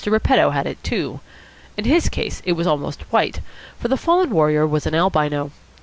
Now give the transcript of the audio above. Repetto had it, too. In his case it was almost white, for the fallen warrior was an albino.